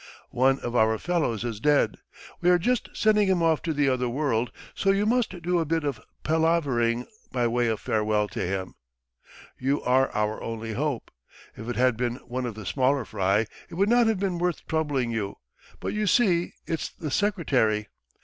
One of our fellows is dead, we are just sending him off to the other world, so you must do a bit of palavering by way of farewell to him. ... You are our only hope. If it had been one of the smaller fry it would not have been worth troubling you, but you see it's the secretary